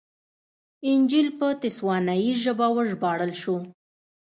انجییل په تسوانایي ژبه وژباړل شو.